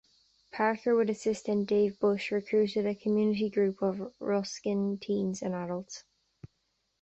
Parker with assistant Dave Bush recruited a community group of Ruskin teens and adults.